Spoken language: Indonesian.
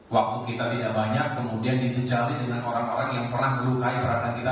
waktu kita tidak banyak kemudian ditijali dengan orang orang yang pernah melukai perasaan kita